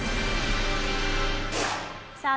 さあ